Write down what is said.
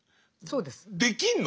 そうです。